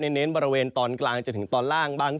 เน้นบริเวณตอนกลางจนถึงตอนล่างบ้าง